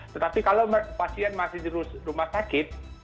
tetapi kalau pasien masih di rumah sakit